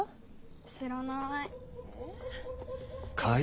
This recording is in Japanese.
知らなーい。